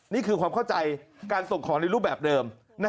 นี่คือความเข้าใจการส่งของในรูปแบบเดิม